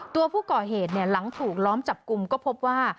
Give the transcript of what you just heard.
ตัวผู้ก่อเหตุหลังถูกล้อมจับกลุ่มก็พบว่า